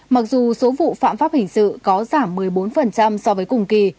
mặc dù số vụ phạm pháp hình sự có giảm một mươi bốn so với cùng kỳ